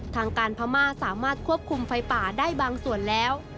ทางการพม่าสามารถควบคุมไฟป่าได้บางส่วนแล้ว